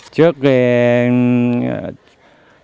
sau này mình